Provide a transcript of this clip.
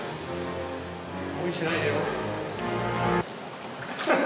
無理しないでよ。